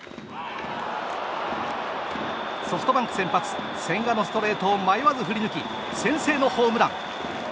ソフトバンク先発千賀のストレートを迷わず振り抜き先制のホームラン。